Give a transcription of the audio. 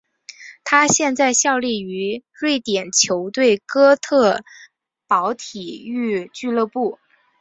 他现在效力于瑞典球队哥特堡体育俱乐部。